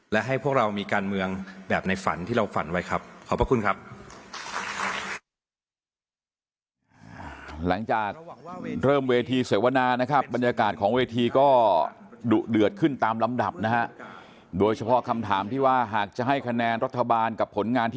และให้พวกเรามีการเมืองแบบในฝันที่เราฝันไว้ครับ